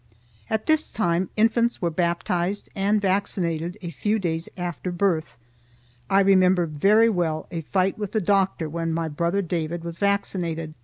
At this time infants were baptized and vaccinated a few days after birth. I remember very well a fight with the doctor when my brother David was vaccinated.